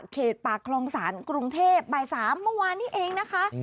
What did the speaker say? ปากคลองศาลกรุงเทพบ่าย๓เมื่อวานนี้เองนะคะ